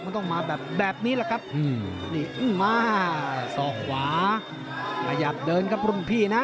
มันต้องมาแบบแบบนี้แหละครับนี่มาสอกขวาขยับเดินครับรุ่นพี่นะ